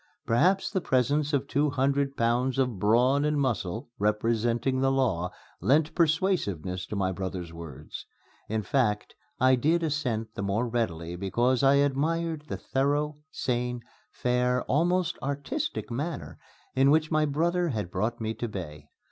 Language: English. Perhaps the presence of two hundred pounds of brawn and muscle, representing the law, lent persuasiveness to my brother's words. In fact, I did assent the more readily because I admired the thorough, sane, fair, almost artistic manner in which my brother had brought me to bay.